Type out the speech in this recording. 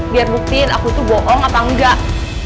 biar buktiin aku tuh bohong atau enggak